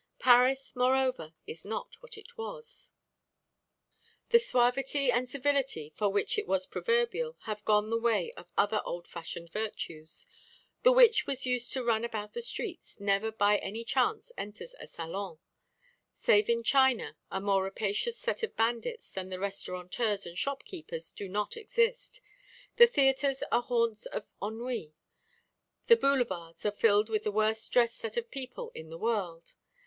Paris, moreover, is not what it was. The suavity and civility for which it was proverbial have gone the way of other old fashioned virtues; the wit which used to run about the streets never by any chance enters a salon; save in China a more rapacious set of bandits than the restauranteurs and shop keepers do not exist; the theatres are haunts of ennui; the boulevards are filled with the worst dressed set of people in the world.